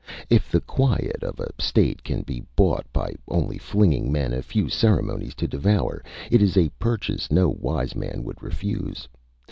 If the quiet of a State can be bought by only flinging men a few ceremonies to devour, it is a purchase no wise man would refuse.